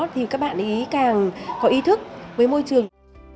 thì các bạn ấy càng có ý thức với môi trường